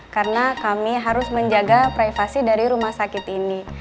karena kami harus menjaga privasi dari rumah sakit ini